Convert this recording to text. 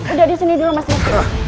udah di sini dulu mas nusro